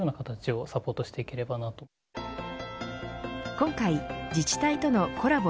今回、自治体とのコラボ